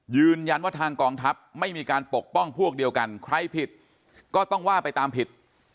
ยืนยันว่าทางกองทัพไม่มีการปกป้องพวกเดียวกันใครผิดก็ต้องว่าไปตามผิด